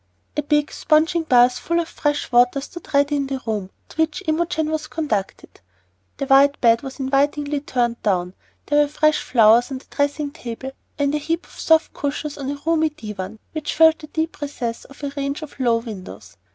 A big sponging bath full of fresh water stood ready in the room to which Imogen was conducted; the white bed was invitingly "turned down;" there were fresh flowers on the dressing table, and a heap of soft cushions on a roomy divan which filled the deep recess of a range of low windows.